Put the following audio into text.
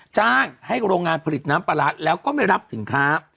จ้างให้โรงงานผลิตน้ำปลาร้าแล้วก็ไม่รับสินค้า